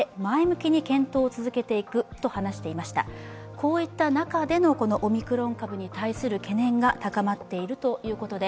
こういった中でのオミクロン株に対する懸念が高まっているということで